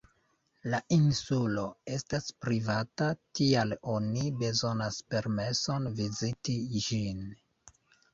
La insulo estas privata, tial oni bezonas permeson viziti ĝin.